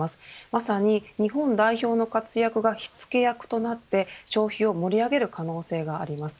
まさに日本代表の活躍が火付け役となって消費を盛り上げる可能性があります。